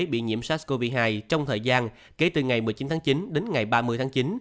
bị nhiễm sars cov hai trong thời gian kể từ ngày một mươi chín tháng chín đến ngày ba mươi tháng chín